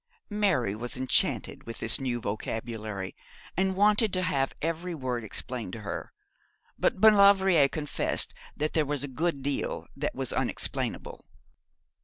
Mary was enchanted with this new vocabulary, and wanted to have every word explained to her; but Maulevrier confessed that there was a good deal that was unexplainable.